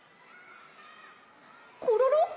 コロロ？